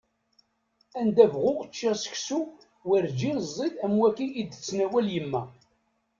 Anda bɣuɣ ččiɣ seksu werǧin ẓid am wagi i d-tettnawal yemma.